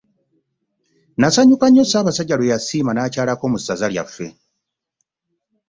nnasanyuka nnyo ssaabasajja lwe yasiima n'akyalako mu ssaza lyaffe.